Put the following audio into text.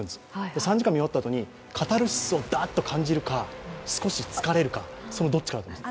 ３時間見たあとにカタルシスをダーって感じるか、少し疲れるかそのどっちかなんです。